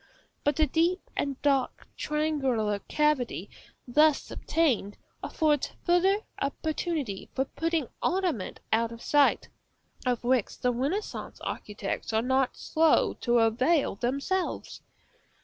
But the deep and dark triangular cavity thus obtained affords farther opportunity for putting ornament out of sight, of which the Renaissance architects are not slow to avail themselves.